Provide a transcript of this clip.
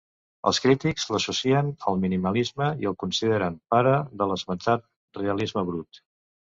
Els crítics l'associen al minimalisme i el consideren pare de l'esmentat realisme brut.